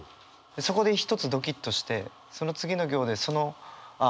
そこで一つドキッとしてその次の行でそのああ